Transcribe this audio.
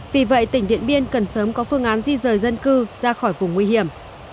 vì vậy tỉnh điện biên cần sớm có phương án di rời dân cư ra khỏi vùng nguy hiểm